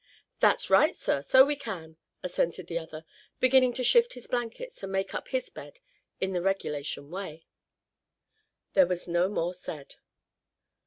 "That's right, sir, so we can," assented the other, beginning to shift his blankets and make up his bed in the regulation way. There was no more said.